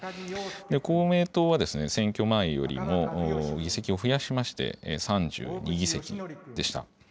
公明党は選挙前よりも議席を増やしまして、３２議席でした。